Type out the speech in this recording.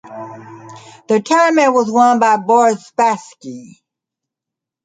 The tournament was won by Boris Spassky.